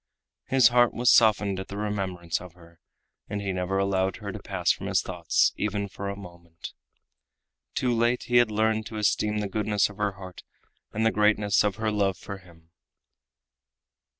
His heart was softened at the remembrance of her, and he never allowed her to pass from his thoughts even for a moment. Too late had he learned to esteem the goodness of her heart and the greatness of her love for him.